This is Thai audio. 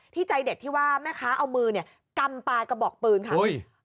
ใจเด็ดที่ว่าแม่ค้าเอามือเนี่ยกำปลากระบอกปืนค่ะ